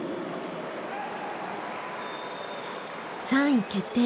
３位決定戦。